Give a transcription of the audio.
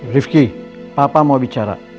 rifki papa mau bicara